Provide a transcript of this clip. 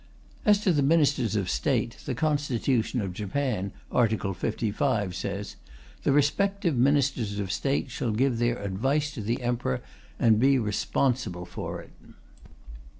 As to the Ministers of State, the Constitution of Japan, Article 55, says: "The respective Ministers of State shall give their advice to the Emperor and be responsible for it."